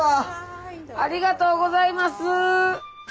ありがとうございます！